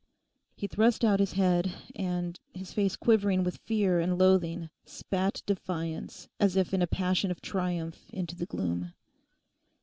He thrust out his head, and, his face quivering with fear and loathing, spat defiance as if in a passion of triumph into the gloom.